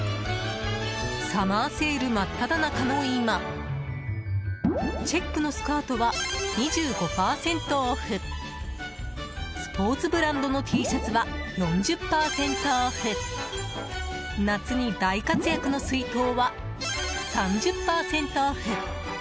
サマーセール真っただ中の今チェックのスカートは２５％オフスポーツブランドのＴシャツは４０％オフ夏に大活躍の水筒は３０％オフ。